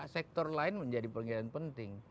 sektor lain menjadi penggiliran penting